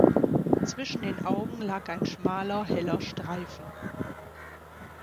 Zwischen den Augen lag ein schmaler, heller Streifen.